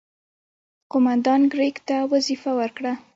قوماندان کرېګ ته وظیفه ورکړه.